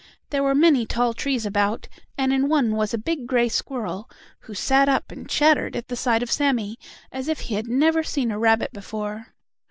There were many tall trees about, and in one was a big gray squirrel, who sat up and chattered at the sight of Sammie, as if he had never seen a rabbit before.